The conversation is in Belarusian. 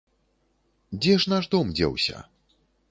Дзе ж наш дом дзеўся?